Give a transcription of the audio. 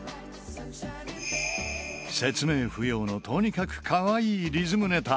説明不要のとにかくかわいいリズムネタ。